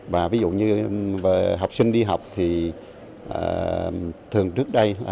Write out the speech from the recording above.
và ví dụ như học sinh đi học thì thường trước đây